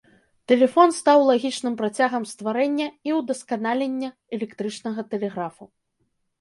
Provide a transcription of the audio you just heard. Тэлефон стаў лагічным працягам стварэння і ўдасканалення электрычнага тэлеграфу.